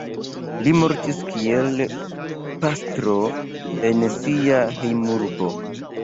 Li mortis kiel pastro en sia hejmurbo.